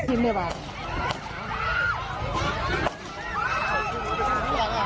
ตอนนี้ก็ไม่มีอัศวินทรีย์ที่สุดขึ้นแต่ก็ไม่มีอัศวินทรีย์ที่สุดขึ้น